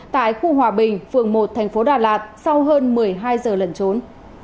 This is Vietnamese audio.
tại khu hòa bình phường một thành phố đà lạt sau hơn một mươi hai giờ lẩn trốn